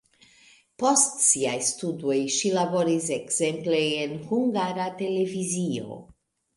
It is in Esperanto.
Post siaj studoj ŝi laboris ekzemple en Hungara Televizio.